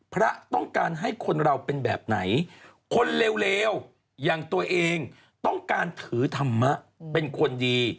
พระต้องการให้คนเราเป็นแบบไหนคนเลวอย่างตัวเองต้องการถือธรรมะเป็นคนดี